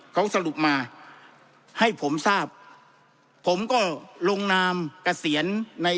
เขาสรุปมาให้ผมทราบผมก็ลงนามเกษียณใน